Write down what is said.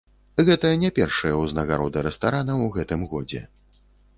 Гэта не першая ўзнагарода рэстарана ў гэтым годзе.